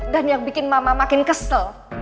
dan yang bikin mama makin kesel